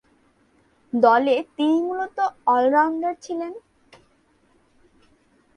দলে তিনি মূলতঃ অল-রাউন্ডার ছিলেন।